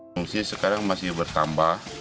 pengungsian sekarang masih bertambah